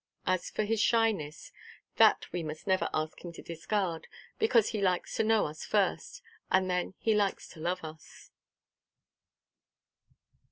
As for his shyness, that we must never ask him to discard; because he likes to know us first, and then he likes to love us.